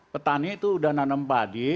petani itu udah nanam padi